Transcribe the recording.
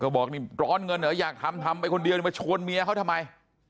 บอกนี่ร้อนเงินเหรออยากทำทำไปคนเดียวมาชวนเมียเขาทำไม